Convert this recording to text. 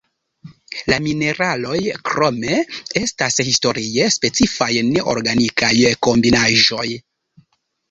La mineraloj, krome, estas historie specifaj neorganikaj kombinaĵoj.